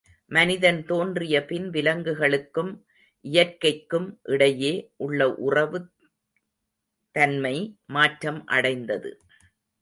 மனிதன் தோன்றிய பின் விலங்குகளுக்கும் இயற்கைக்கும் இடையே உள்ள உறவு தன்மை, மாற்றம் அடைந்தது.